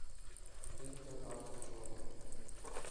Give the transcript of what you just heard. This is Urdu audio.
جن کا کام کچھ اور ہے۔